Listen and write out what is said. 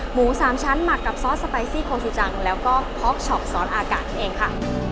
หมูสามชั้นหมักกับซอสแปซี่โคชูจังและพอกชอบซอสอากะเองค่ะ